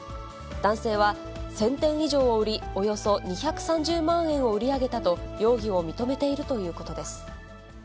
男性は、１０００点以上を売り、およそ２３０万円を売り上げたと容疑を認めているということです。